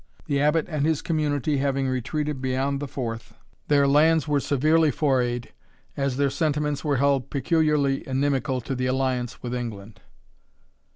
The Abbot and his community having retreated beyond the Forth, their lands were severely forayed, as their sentiments were held peculiarly inimical to the alliance with England.